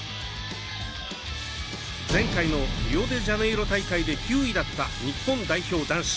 前回のリオデジャネイロ大会で９位だった日本代表男子。